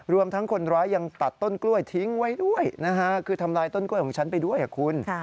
รวมทั้งคนร้ายยังตัดต้นกล้วยทิ้งไว้ด้วยนะฮะคือทำลายต้นกล้วยของฉันไปด้วยคุณ